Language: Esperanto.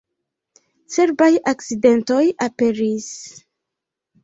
Cerbaj akcidentoj aperis.